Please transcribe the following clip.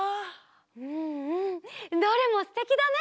うんうんどれもすてきだね。